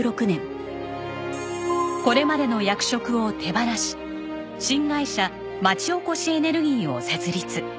これまでの役職を手放し新会社町おこしエネルギーを設立。